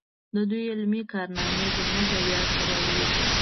د دوی علمي کارنامې زموږ د ویاړ سبب دی.